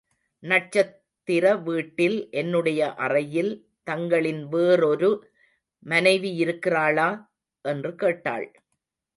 நட்சத்திர வீட்டில் என்னுடைய அறையில், தங்களின் வேறொரு மனைவியிருக்கிறாளா? என்று கேட்டாள்.